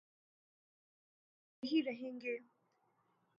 وہی رہیں گے۔